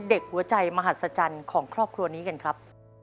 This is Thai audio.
เด็กหัวใจมหัศจรรย์ของครอบครัวนี้กันครับ